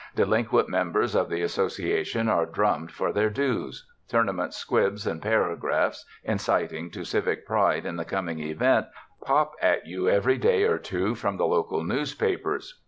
Delinquent members of the Association are drummed for their dues. Tournament squibs and paragraphs, inciting to civic pride in the coming event, pop at you every day or two from the local newspapers.